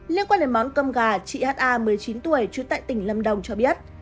liên quan đến món cơm gà chị ha một mươi chín tuổi trú tại tỉnh lâm đồng cho biết